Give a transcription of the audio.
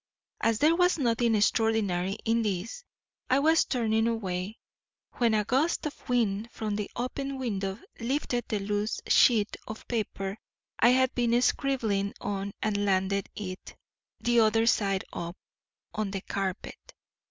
As there was nothing extraordinary in this, I was turning away, when a gust of wind from the open window lifted the loose sheet of paper I had been scribbling on and landed it, the other side up, on the carpet.